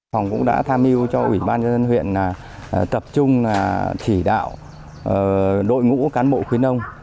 hồng cũng đã tham hiu cho ủy ban dân huyện tập trung thỉ đạo đội ngũ cán bộ khuyến nông